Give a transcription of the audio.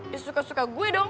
ya suka suka gue dong